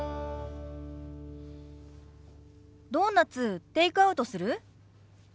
ドーナツテイクアウトする？